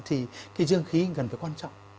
thì cái dương khí cần phải quan trọng